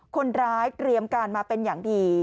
คนร้ายเตรียมการมาเป็นอย่างดี